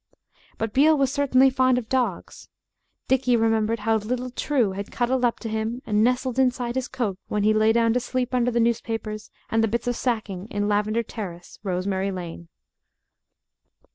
But Beale was certainly fond of dogs. Dickie remembered how little True had cuddled up to him and nestled inside his coat when he lay down to sleep under the newspapers and the bits of sacking in Lavender Terrace, Rosemary Lane.